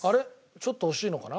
ちょっと惜しいのかな？